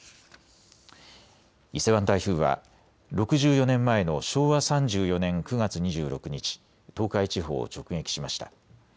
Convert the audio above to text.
伊勢湾台風は６４年前の昭和３４年９月２６日、東海地方を直撃しました。